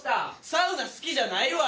サウナ好きじゃないわ。